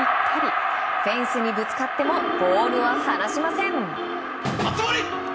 フェンスにぶつかってもボールは離しません。